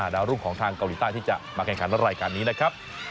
ดาวรุ่งของทางเกาหลีใต้ที่จะมาแข่งขันรายการนี้นะครับ